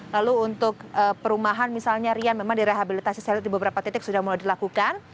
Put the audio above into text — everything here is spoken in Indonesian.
lalu untuk perumahan misalnya rian memang direhabilitasi saya lihat di beberapa titik sudah mulai dilakukan